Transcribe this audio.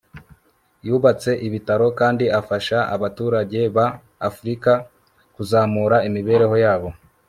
yubatse ibitaro kandi afasha abaturage ba afrika kuzamura imibereho yabo